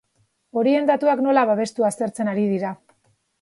Horien datuak nola babestu aztertzen ari dira.